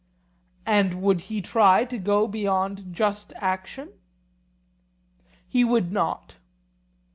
And would he try to go beyond just action? He would not.